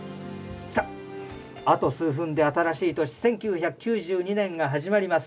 あと数分で、新しい年１９９２年が始まります。